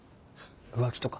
浮気とか。